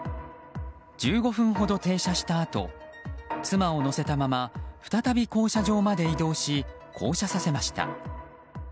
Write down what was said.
１５分ほど停車したあと妻を乗せたまま再び降車場まで移動し降車させました。